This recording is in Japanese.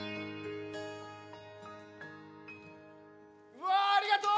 うわありがとう！